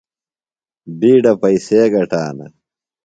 بِیڈہ پئیسے گٹانوۡ۔